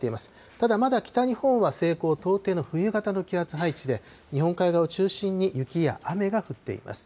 ただまだ北日本は西高東低の冬型の気圧配置で、日本海側を中心に、雪や雨が降っています。